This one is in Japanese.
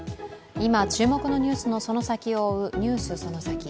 今、注目のニュースのその先を追う、「ＮＥＷＳそのサキ！」